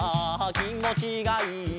「きもちがいいぞ」